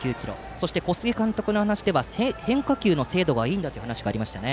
そして、小菅監督の話では変化球の精度がいいんだという話がありましたね。